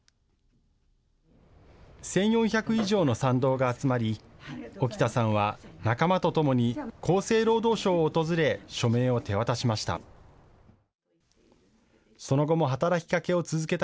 １４００以上の賛同が集まり、沖田さんは仲間とともに厚生労働省を訪れ署名を手渡しました。